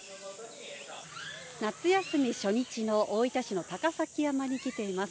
夏休み初日の大分市の高崎山に来ています。